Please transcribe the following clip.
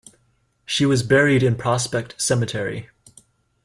She was buried in Prospect cemetery.